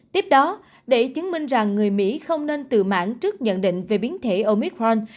tiếp đó để chứng minh rằng người mỹ không nên tự mãn trước nhận định về biến thể omicron